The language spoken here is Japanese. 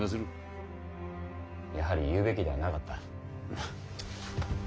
やはり言うべきではなかった。